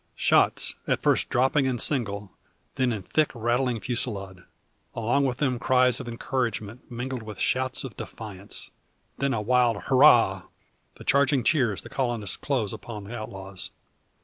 Shots, at first dropping and single, then in thick rattling fusillade. Along with them cries of encouragement, mingled with shouts of defiance. Then a wild "hurrah," the charging cheers the colonists close upon the outlaws.